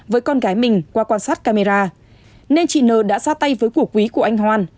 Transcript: với con gái mình qua quan sát camera nên chị nờ đã ra tay với cổ quý của anh hoan